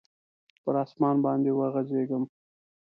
پر اسمان باندي وغځیږم